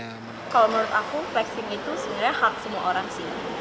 kalau menurut aku flexing itu sebenarnya hak semua orang sih